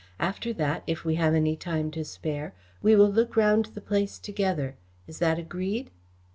After that, if we have any time to spare, we will look round the place together. Is that agreed?"